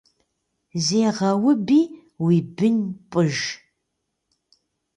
Зегъэуби уи бын пӏыж.